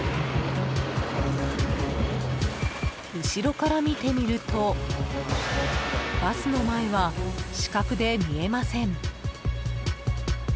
後ろから見てみるとバスの前は死角で見えません。